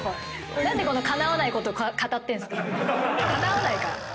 何でこんなかなわないこと語ってんすか？